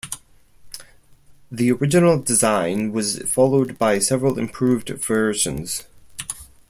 The original design was followed by several improved versions.